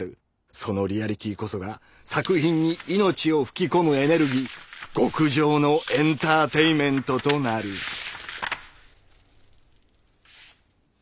その「リアリティ」こそが作品に命を吹き込むエネルギー極上のエンターテイメントとなるッ！